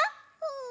うん。